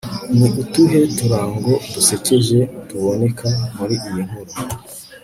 ni utuhe turango dusekeje tuboneka muri iyi nkuru